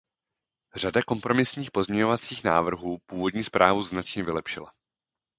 Řada kompromisních pozměňovacích návrhů původní zprávu značně vylepšila.